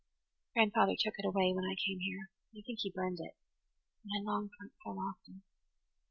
"Grandfather took it away when I came here. I think he burned it. And I long for it so often."